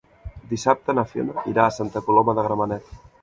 Dissabte na Fiona irà a Santa Coloma de Gramenet.